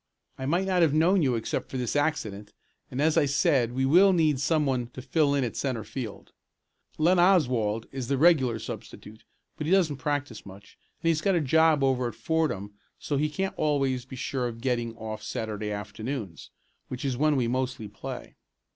I might not have known you except for this accident, and as I said we will need some one to fill in at centre field. Len Oswald is the regular substitute, but he doesn't practice much, and he's got a job over at Fordham so he can't always be sure of getting off Saturday afternoons, which is when we mostly play.